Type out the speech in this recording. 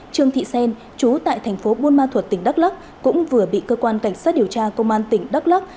trương thị xen chú tại thành phố buôn ma thuật tỉnh đắk lắc cũng vừa bị cơ quan cảnh sát điều tra công an tỉnh đắk lắc